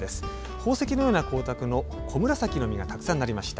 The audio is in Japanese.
宝石のような光沢のコムラサキの実がたくさんなりました。